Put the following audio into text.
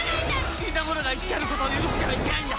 死んだ者が生き返ることを許してはいけないんだ。